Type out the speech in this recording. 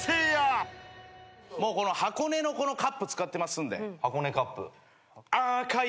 この「はこね」のカップ使ってますんで。